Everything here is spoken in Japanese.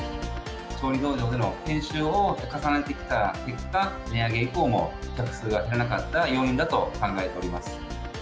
調理道場での研修を重ねてきた結果、値上げ以降も客数が減らなかった要因だと考えております。